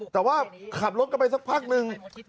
แต่ว่าขับรถกันไปสักพักนึง